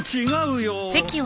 違うよ。